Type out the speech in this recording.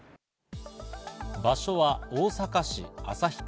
場所は大阪市旭区。